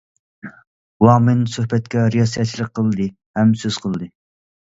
ۋاڭ مىن سۆھبەتكە رىياسەتچىلىك قىلدى ھەم سۆز قىلدى.